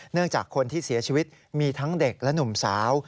จากคนที่เสียชีวิตมีทั้งเด็กและหนุ่มสาว